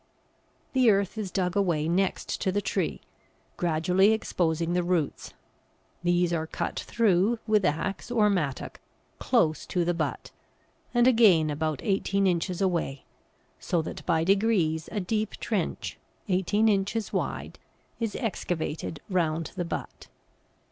The earth is dug away next to the tree, gradually exposing the roots; these are cut through with axe or mattock close to the butt, and again about eighteen inches away, so that by degrees a deep trench, eighteen inches wide, is excavated round the butt.